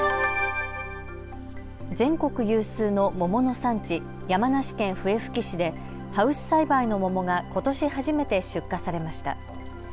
全国有数の桃の産地、山梨県笛吹市でハウス栽培の桃がことし初めて出荷されました。